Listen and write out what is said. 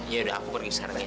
yaudah aku pergi sekarang ya